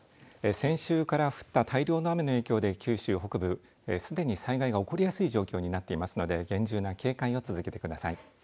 先週から降った大量の雨の影響で九州北部すでに災害が起こりやすい状況になっていますので厳重な警戒を続けてください。